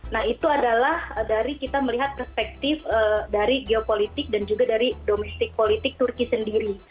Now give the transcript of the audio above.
nah itu adalah dari kita melihat perspektif dari geopolitik dan juga dari domestik politik turki sendiri